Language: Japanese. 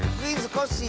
コッシー」